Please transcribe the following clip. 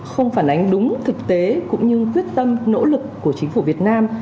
không phản ánh đúng thực tế cũng như quyết tâm nỗ lực của chính phủ việt nam